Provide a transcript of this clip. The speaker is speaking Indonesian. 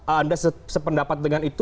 anda sependapat dengan itu